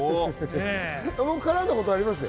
僕、絡んだことありますよ。